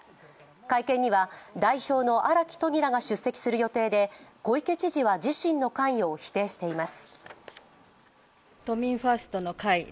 会見には代表の荒木都議らが出席する予定で小池知事は自身の関与を否定しています。